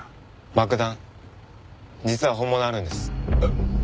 爆弾実は本物あるんです。